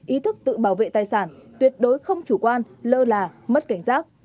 ý thức tự bảo vệ tài sản tuyệt đối không chủ quan lơ là mất cảnh giác